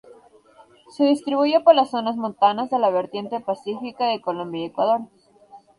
Se distribuye por las zonas montanas de la vertiente pacífica de Colombia y Ecuador.